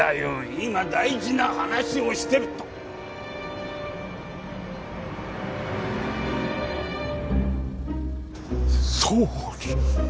今大事な話をしてる総理。